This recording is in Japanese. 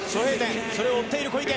それを追っている小池。